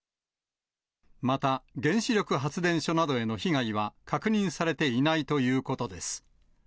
また、原子力発電所などへの被害は確認されていないということです。